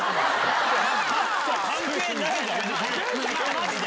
マジで！